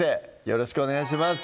よろしくお願いします